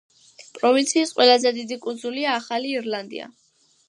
პროვინციის ყველაზე დიდი კუნძულია ახალი ირლანდია.